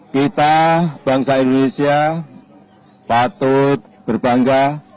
kita bangsa indonesia patut berbangga